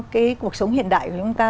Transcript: cái cuộc sống hiện đại của chúng ta